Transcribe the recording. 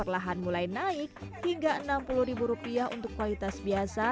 lahan mulai naik hingga enam puluh ribu rupiah untuk kualitas biasa